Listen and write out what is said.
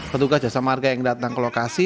petugas jasa marga yang datang ke lokasi